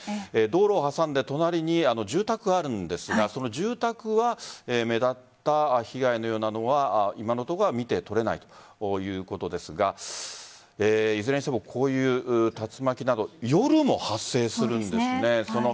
道路を挟んで隣に住宅があるんですがその住宅は目立った被害のようなものは今のところ見て取れないということですがいずれにしてもこういう竜巻など夜も発生するんですね。